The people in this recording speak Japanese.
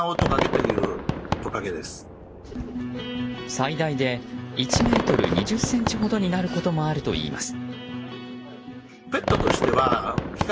最大で１ｍ２０ｃｍほどになることもあるといいます。